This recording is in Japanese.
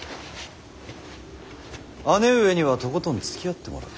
姉上にはとことんつきあってもらう。